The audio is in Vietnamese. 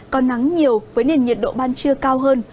có nắng nhiều với nền nhiệt độ ban trưa cao hơn